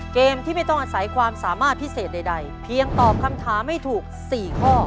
เกมที่ไม่ต้องอาศัยความสามารถพิเศษใดเพียงตอบคำถามให้ถูก๔ข้อ